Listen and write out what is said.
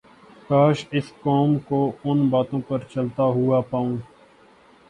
کاش اس قوم کو ان باتوں پر چلتا ھوا پاؤں